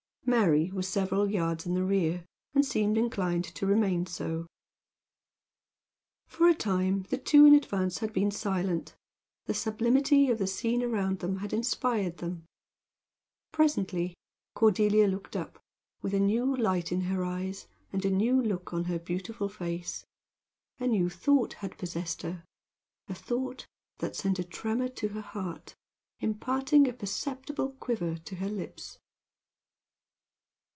Mary was several yards in the rear, and seemed inclined to remain so. For a time the two in advance had been silent. The sublimity of the scene around them had inspired them. Presently Cordelia looked up, with a new light in her eyes and a new look on her beautiful face. A new thought had possessed her a thought that sent a tremor to her heart, imparting a perceptible quiver to her lips.